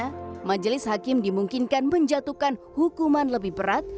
bahwa kasus hakim dimungkinkan menjatuhkan hukuman lebih berat